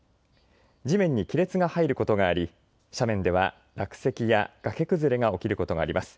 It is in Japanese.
地面に亀裂が入ることがあり斜面では落石や崖崩れが起きることがあります。